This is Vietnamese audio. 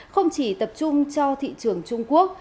không chỉ tập trung cho thị trường trung quốc